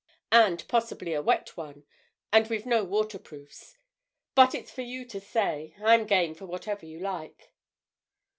—and possibly a wet one, and we've no waterproofs. But it's for you to say—I'm game for whatever you like."